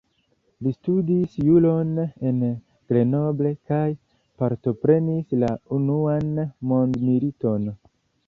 Li studis juron en Grenoble kaj partoprenis la Unuan Mondmiliton.